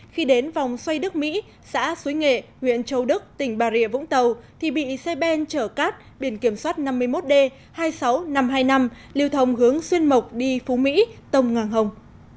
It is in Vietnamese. khi đến vòng xoay đức mỹ xã suối nghệ huyện châu đức tỉnh bà rịa vũng tàu thì bị xe ben chở cát biển kiểm soát năm mươi một d hai mươi sáu nghìn năm trăm hai mươi năm liều thông hướng xuyên mộc đi phú mỹ tông ngang hồng